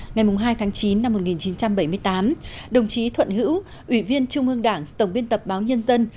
ngày hai tháng chín năm một nghìn chín trăm bảy mươi tám đồng chí thuận hữu ủy viên trung ương đảng tổng biên tập báo nhân dân